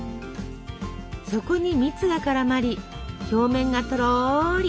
そこに蜜が絡まり表面がとろり。